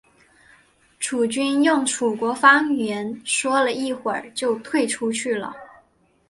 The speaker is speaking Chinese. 楚军用楚国方言说了一会就退出去了。